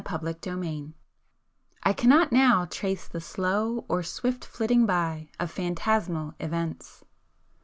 [p 300]XXVI I cannot now trace the slow or swift flitting by of phantasmal events